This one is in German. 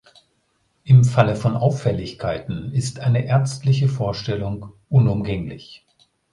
Im Falle von Auffälligkeiten ist eine ärztliche Vorstellung unumgänglich.